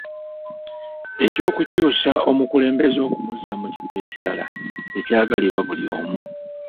Eky'okukyusa omukulembeze okumuzza mu kifo ekirala tekyagalibwa buli omu.